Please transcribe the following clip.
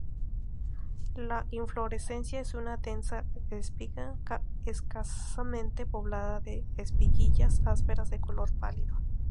La inflorescencia es una densa espiga, escasamente poblada de espiguillas ásperas, de color pálido.